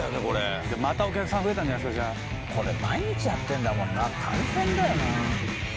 これまたお客さんが増えたんじゃこれ毎日やってんだもんな大変だよな